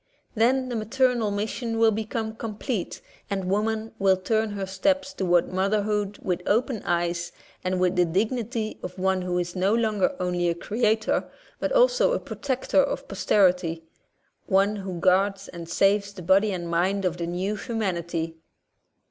Then the maternal mission will become com plete and woman will turn her steps toward motherhood with open eyes and with the dig nity of one who is no longer only a creator but also a protector of posterity, one who guards and saves the body and mind of the new humanity.